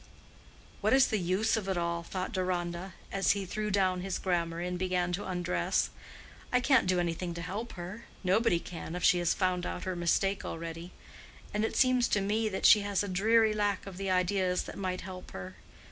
"What is the use of it all?" thought Deronda, as he threw down his grammar, and began to undress. "I can't do anything to help her—nobody can, if she has found out her mistake already. And it seems to me that she has a dreary lack of the ideas that might help her.